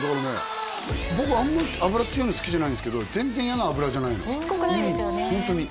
僕あんまり脂強いの好きじゃないんですけど全然嫌な脂じゃないのしつこくないですよね